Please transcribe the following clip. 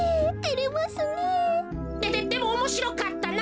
でででもおもしろかったな。